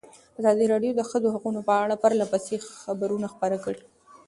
ازادي راډیو د د ښځو حقونه په اړه پرله پسې خبرونه خپاره کړي.